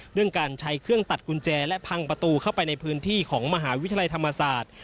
เรื่องการใช้เครื่องตัดกุญแจและพังประตูเข้าไปในพื้นที่ของมหาวิทยาลัยธรรมศาสตร์